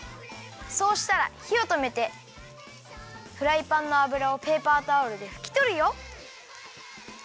そうしたらひをとめてフライパンのあぶらをペーパータオルでふきとるよ。